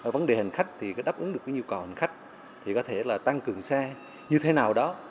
vấn đề hành khách thì đáp ứng được nhiều cầu hành khách thì có thể tăng cường xe như thế nào đó